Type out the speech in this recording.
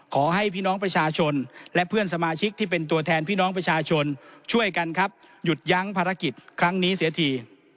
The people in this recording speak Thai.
ขอให้พี่น้องประชาชนและเพื่อนสมาชิกที่เป็นตัวแทนพี่น้องประชาชนช่วยกันครับหยุดยั้งภารกิจครั้งนี้เสียที